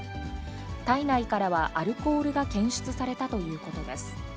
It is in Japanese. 体内からはアルコールが検出されたということです。